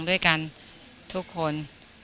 ด้วยกันทุกคน